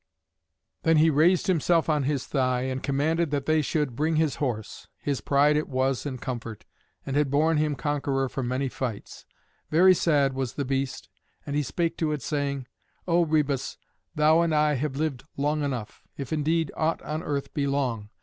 Then he raised himself on his thigh, and commanded that they should bring his horse. His pride it was and comfort, and had borne him conqueror from many fights. Very sad was the beast, and he spake to it, saying, "O Rhœbus, thou and I have lived long enough, if indeed aught on earth be long.